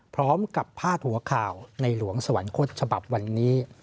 พร้อมกับพาดหัวข่าวในหลวงสวรรคตฉบับวันนี้